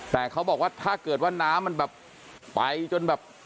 แต่เขาบอกว่าถ้าเกิดว่าน้ำมันแบบไปจนแบบ